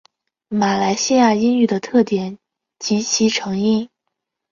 马来西亚英语的特点及其成因